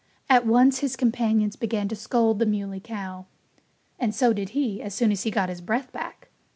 At once his companions began to scold the Muley Cow. And so did he as soon as he got his breath back.